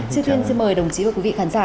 trước thiên xin mời đồng chí và quý vị khán giả